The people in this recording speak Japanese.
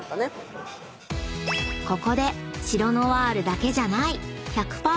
［ここでシロノワールだけじゃない１００％